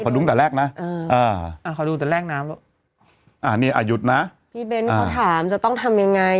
ขออนุญาตเราต้องทำยังไง